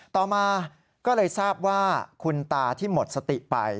ต่อมาก็เลยทราบว่าคุณตาที่หมดสติไป